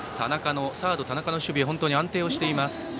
サード、田中の守備は本当に安定しています。